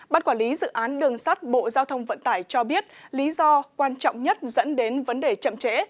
bác quản lý dự án đường sắt bộ giao thông vận tải cho biết lý do quan trọng nhất dẫn đến vấn đề chậm trễ